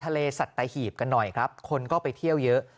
ทะเลสัตหีบกันหน่อยครับคนก็ไปเที่ยวเยอะ